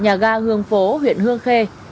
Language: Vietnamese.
nhà ga hương phố huyện hương khê